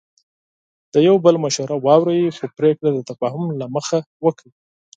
د یو بل مشوره واورئ، خو پریکړه د تفاهم له مخې وکړئ.